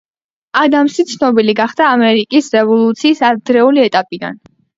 ადამსი ცნობილი გახდა ამერიკის რევოლუციის ადრეული ეტაპიდან.